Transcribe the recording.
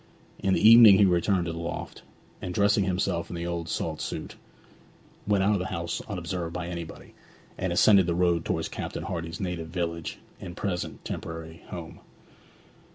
In the evening he returned to the loft, and dressing himself in the old salt suit, went out of the house unobserved by anybody, and ascended the road towards Captain Hardy's native village and present temporary home.